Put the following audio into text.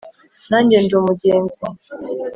nanjye ndi umugenzi